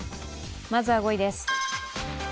まずは５位です。